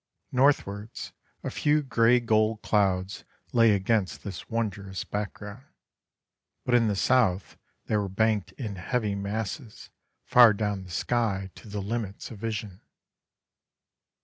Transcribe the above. Northwards a few grey gold clouds lay against this wondrous background, but in the south they were banked in heavy masses, far down the sky to the limits of vision.